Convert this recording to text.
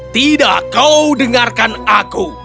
tidak kau dengarkan aku